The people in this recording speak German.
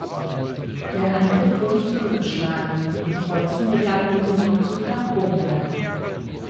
Der Angriff wurde zurückgeschlagen und die Preußen begannen mit dem Rückzug nach Bromberg.